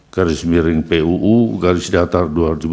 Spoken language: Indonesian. garis miring puu garis datar dua ribu dua puluh